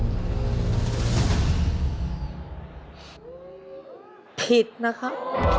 โอ้โฮ